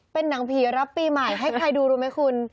เป็นหนังผีรับปีใหม่ให้ใครดูรู้ไหมคุณ